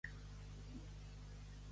Pa de madrastra.